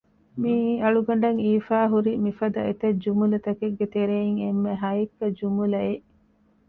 މިއީ އަޅުގަނޑަށް އިވިފައި ހުރި މި ފަދަ އެތައް ޖުމުލަތަކެއްގެ ތެރެއިން އެންމެ ހައެއްކަ ޖުމުލައެއް